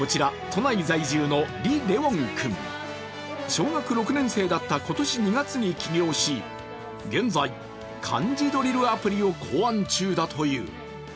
小学６年生だった今年２月に起業し現在、漢字ドリルアプリを考案中だという。